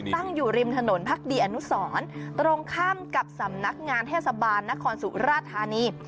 ตั้งอยู่ริมถนนพักดีอนุสรตรงข้ามกับสำนักงานเทศบาลนครสุราธานี